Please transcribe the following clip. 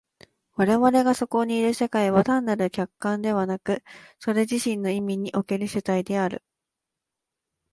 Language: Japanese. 我々がそこにいる社会は単なる客観でなく、それ自身の意味における主体である。